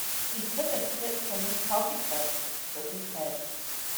He took a sip from his coffee cup and shook his head.